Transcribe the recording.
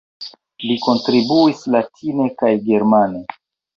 Li kontribuis latine kaj germane.